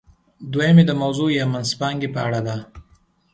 دویم یې د موضوع یا منځپانګې په اړه ده.